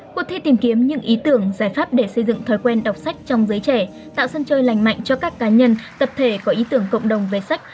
cuộc thi tìm kiếm những ý tưởng giải pháp để xây dựng thói quen đọc sách trong giới trẻ tạo sân chơi lành mạnh cho các cá nhân tập thể có ý tưởng cộng đồng về sách